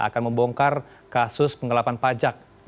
akan membongkar kasus penggelapan pajak